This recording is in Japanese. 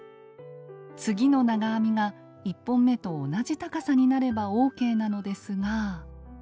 次の長編みが１本目と同じ高さになればＯＫなのですが。